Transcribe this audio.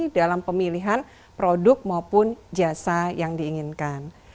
dalam pemilihan produk maupun jasa yang diinginkan